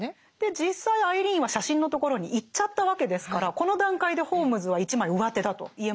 実際アイリーンは写真のところに行っちゃったわけですからこの段階でホームズは一枚うわてだと言えますよね。